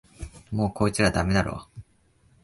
もうこいつらダメだろ